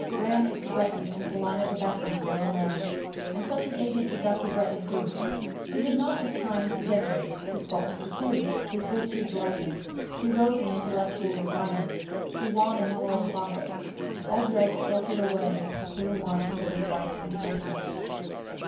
Graham Bretton and Paulina de Bassompierre were married, and such an agent did Dr. Bretton prove. He did not with time degenerate; his faults decayed, his virtues ripened; he rose in intellectual refinement, he won in moral profit: all dregs filtered away, the clear wine settled bright and tranquil.